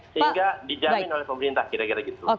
sehingga dijamin oleh pemerintah kira kira gitu